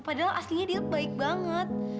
padahal aslinya dia baik banget